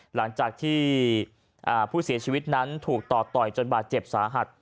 หลังจากที่ผู้เสียชีวิตนั้นถูกต่อต่อยจนบาดเจ็บสาหัส